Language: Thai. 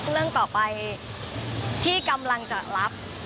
เรื่องต่อไปที่กำลังจะรับ